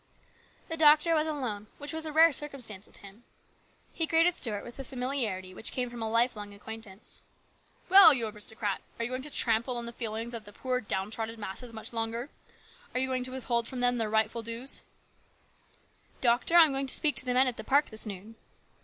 The doctor was alone, which was a rare circum stance with him. He greeted Stuart with the familiarity which came from a lifelong acquaintance. " Well, you aristocrat ! are you going to trample on the feelings of the poor downtrodden masses much longer ? Are you going to withhold from them their rightful dues ?" 46 HIS BROTHER'S KEEPER. " Doctor, I am going to speak to the men at the park this noon."